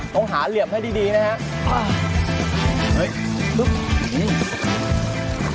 ต้องหาเหลี่ยมให้ดีนะครับ